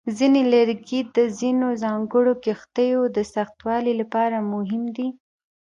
ځینې لرګي د ځینو ځانګړو کښتیو د سختوالي لپاره مهم دي.